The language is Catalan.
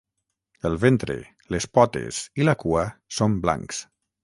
El ventre, les potes i la cua són blancs.